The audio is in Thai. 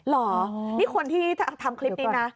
เหรอนี่คนที่ทำคลิปนี้นะ